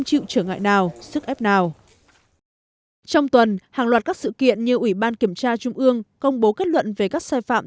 trong tuần hàng loạt các sự kiện như ủy ban kiểm tra trung ương công bố kết luận về các sai phạm